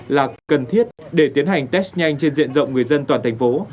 là cần thiết để tiến hành test nhanh trên diện rộng người dân toàn thành phố